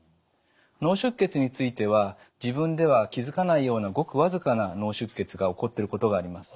脳出血については自分では気付かないようなごくわずかな脳出血が起こってることがあります。